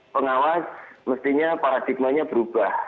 pengawas mestinya paradigmannya berubah